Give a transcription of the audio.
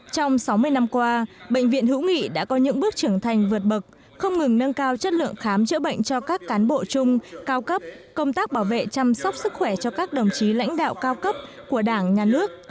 trong sáu mươi năm qua bệnh viện hữu nghị đã có những bước trưởng thành vượt bậc không ngừng nâng cao chất lượng khám chữa bệnh cho các cán bộ chung cao cấp công tác bảo vệ chăm sóc sức khỏe cho các đồng chí lãnh đạo cao cấp của đảng nhà nước